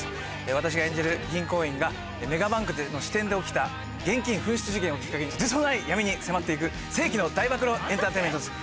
私が演じる銀行員がメガバンクの支店で起きた現金紛失事件をきっかけにとてつもない闇に迫って行く世紀の大暴露エンターテインメントです。